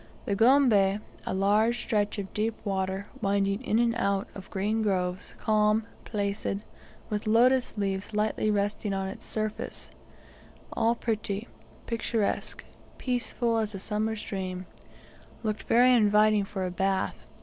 The Gombe, a long stretch of deep water, winding in and out of green groves, calm, placid, with lotus leaves lightly resting on its surface, all pretty, picturesque, peaceful as a summer's dream, looked very inviting for a bath.